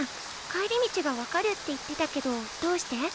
帰り道が分かるって言ってたけどどうして？